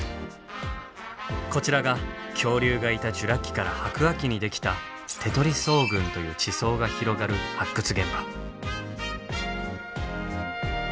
こちらが恐竜がいたジュラ紀から白亜紀にできた「手取層群」という地層が広がる発掘現場。